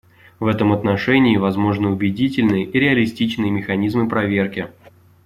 В этом отношении возможны убедительные и реалистичные механизмы проверки.